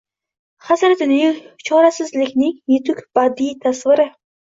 Hasratining, chorasizlikning yetuk badiiy tasviri…